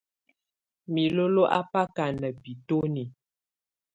Milolo a báká ná bitoní.